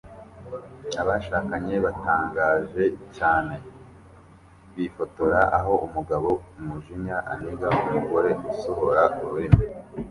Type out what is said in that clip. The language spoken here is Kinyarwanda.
Abashakanye batangaje cyane bifotora aho umugabo "umujinya" aniga "umugore usohora ururimi